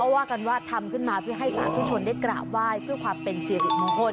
ว่ากันว่าทำขึ้นมาเพื่อให้สาธุชนได้กราบไหว้เพื่อความเป็นสิริมงคล